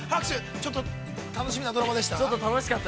ちょっと楽しみなドラマでした？